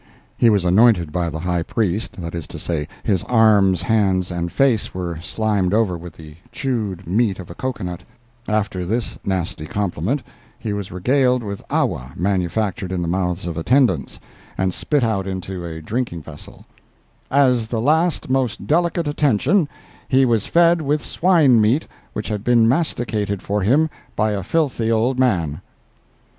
He was anointed by the high priest—that is to say, his arms, hands and face, were slimed over with the chewed meat of a cocoa nut; after this nasty compliment, he was regaled with awa manufactured in the mouths of attendants and spit out into a drinking vessel; "as the last most delicate attention, he was fed with swine meat which had been masticated for him by a filthy old man."